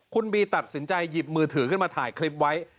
คุณบีตัดสินใจหยิบมือถือขึ้นมาถ่ายคลิปไว้